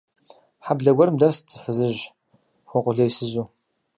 Хьэблэ гуэрым дэст зы фызыжь, хуэкъулейсызу.